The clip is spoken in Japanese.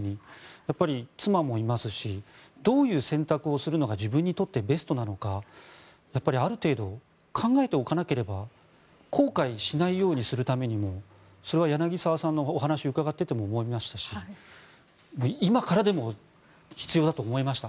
やっぱり妻もいますしどういう選択をするのが自分にとってベストなのかやっぱりある程度考えておかなければ後悔しないようにするためにもそれは柳澤さんのお話を伺っていても思いましたし今からでも必要だと思いました。